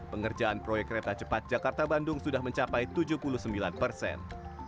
pengerjaan proyek kereta cepat jakarta bandung sudah mencapai tujuh puluh sembilan persen